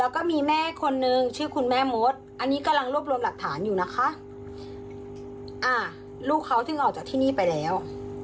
แล้วก็มีแม่คนนึงชื่อคุณแม่มดอันนี้กำลังรวบรวมหลักฐานอยู่นะคะอ่าลูกเขาจึงออกจากที่นี่ไปแล้ว